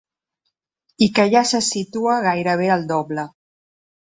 I que ja se situa gairebé al doble.